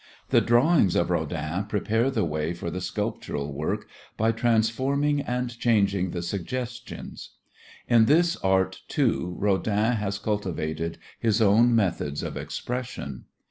The drawings of Rodin prepare the way for the sculptural work by transforming and changing the suggestions. In this Art, too, Rodin has cultivated his own methods of expression.